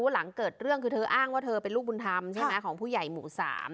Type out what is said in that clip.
หลังเกิดเรื่องคือเธออ้างว่าเธอเป็นลูกบุญธรรมใช่ไหมของผู้ใหญ่หมู่๓